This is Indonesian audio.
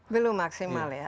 belum maksimal ya